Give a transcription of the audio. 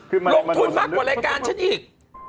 ลงทุนมากกว่ารายการฉันอีก